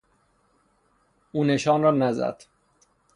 او نشان را نزد.